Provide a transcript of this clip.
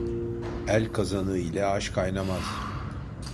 El kazanı ile aş kaynamaz.